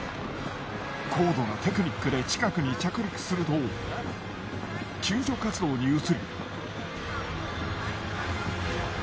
高度なテクニックで近くに着陸すると救助活動に移る。